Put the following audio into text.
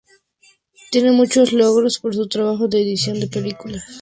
Tiene muchos logros por su trabajo de edición de películas.